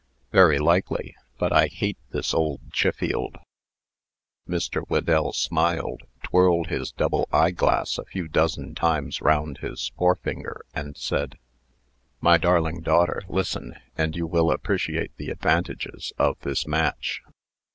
"Very likely. But I hate this old Chiffield." Mr. Whedell smiled, twirled his double eyeglass a few dozen times round his forefinger, and said: "My darling daughter, listen, and you will appreciate the advantages of this match."